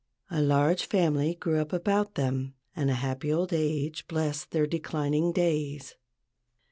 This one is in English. A large family grew up about them and a happy old age blessed their declining days.